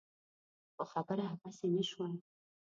خو خبره هغسې نه شوه.